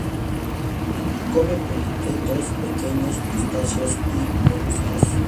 Come poliquetos, pequeños crustáceos y moluscos.